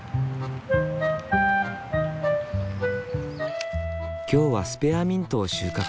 今日はスペアミントを収穫。